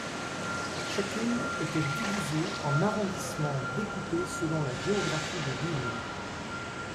Chacune était divisée en arrondissements découpés selon la géographie des villes.